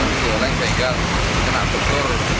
kondisi olah ini sehingga kena tukur